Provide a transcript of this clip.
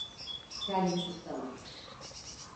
Kendini suçlama.